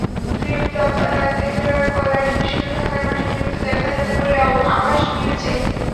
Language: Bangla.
ফিকরু তেফেরার কল্যাণে দৃশ্যটা ঢাকার মাঠে নিয়মিত দেখা যাবে বলে আভাস মিলছে।